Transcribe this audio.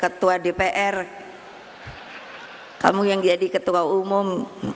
ketua dpr kamu yang jadi ketua umum